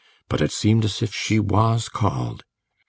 But it seemed as if she was called.